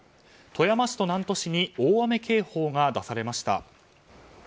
富山市と南砺市に大雨警報が出されました。